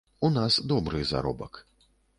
У нас добры заробак.